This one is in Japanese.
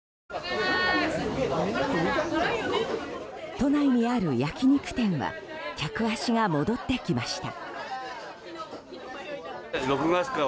都内にある焼き肉店は客足が戻ってきました。